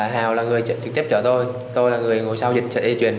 hào là người trực tiếp cho tôi tôi là người ngồi sau dịch trận di chuyển